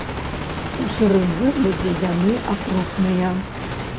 У сырым выглядзе яны атрутныя.